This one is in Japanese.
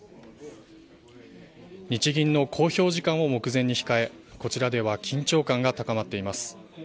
日銀の公表時間を目前に控え、こちらでは、緊張感が高まっています。